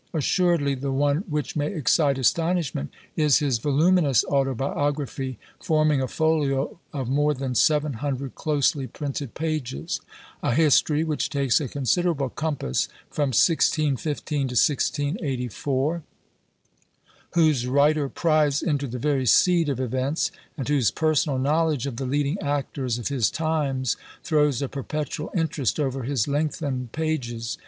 Assuredly the one which may excite astonishment is his voluminous autobiography, forming a folio of more than seven hundred closely printed pages; a history which takes a considerable compass, from 1615 to 1684; whose writer pries into the very seed of events, and whose personal knowledge of the leading actors of his times throws a perpetual interest over his lengthened pages.